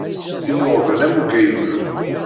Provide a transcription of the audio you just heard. Innuɣben am ugayemru.